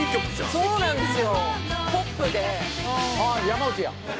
そうなんですよ！